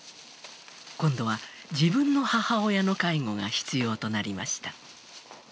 今度は自分の母親の介護が必要となりました。